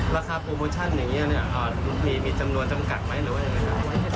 ราคาโปรโมชั่นอย่างเงี้ยเนี่ยมีจำนวนจำกัดไหมหรือว่าอย่างงี้ค่ะ